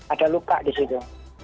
ada luka di situ